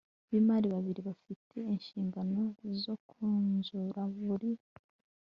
b imari babiri bafite inshingano zo kunzura buri